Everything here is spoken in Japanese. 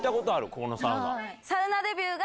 ここのサウナ。